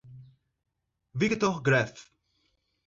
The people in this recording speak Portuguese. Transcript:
Victor Graeff